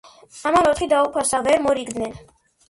ამან ოთხი დაუფასა. ვერ მორიგდნენ.